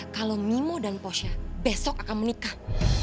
kalau mimo dan posya besok akan menikah